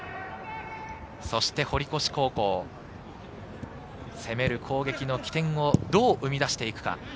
そして堀越高校、攻める攻撃の起点をどう生み出していくか。